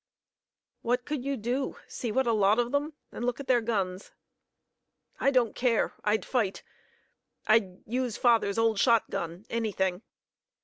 "What could you do? See what a lot of them; and look at their guns!" "I don't care. I'd fight. I'd use father's old shotgun anything.